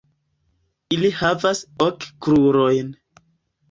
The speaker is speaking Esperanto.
Ili havas ok krurojn.